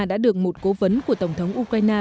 đã được một cố vấn của tổng thống ukraine